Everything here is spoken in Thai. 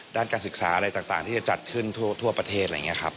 ด้านการศึกษาอะไรต่างที่จะจัดขึ้นทั่วประเทศ